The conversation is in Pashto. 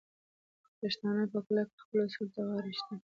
پښتانه په کلکه خپلو اصولو ته غاړه ږدي.